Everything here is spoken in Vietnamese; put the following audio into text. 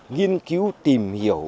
nghiên cứu tìm hiểu